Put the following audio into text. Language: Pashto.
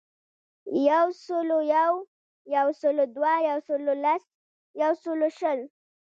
یوسلویو, یوسلودوه, یوسلولس, یوسلوشل